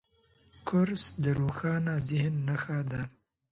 کورس د روښانه ذهن نښه ده.